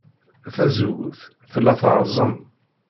Tazewwut tella terẓem.